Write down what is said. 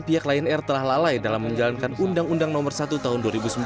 pihak lion air telah lalai dalam menjalankan undang undang nomor satu tahun dua ribu sembilan